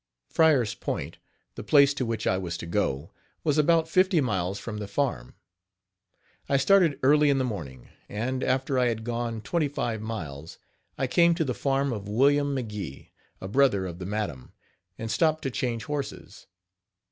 Fryer's Point, the place to which I was to go, was about fifty miles from the farm. I started early in the morning, and, after I had gone twenty five miles, I came to the farm of William McGee, a brother of the madam, and stopped to change horses.